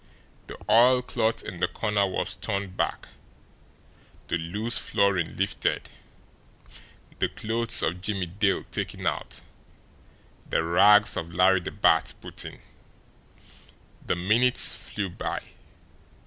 The oilcloth in the corner was turned back, the loose flooring lifted, the clothes of Jimmie Dale taken out, the rags of Larry the Bat put in. The minutes flew by.